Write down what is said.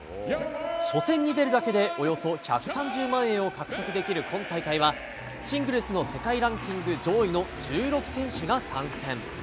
初戦に出るだけでおよそ１３０万円を獲得できる今大会はシングルスの世界ランキング上位の１６選手が参戦。